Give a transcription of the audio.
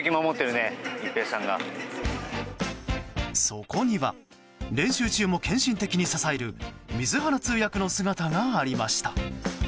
そこには練習中も献身的に支える水原通訳の姿がありました。